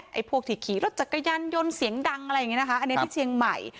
ไอ้พวกที่ขี่รถจักรยานยนต์เสียงดังอะไรอย่างนี้นะคะอันนี้ที่เชียงใหม่